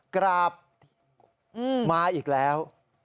กราบมาอีกแล้ว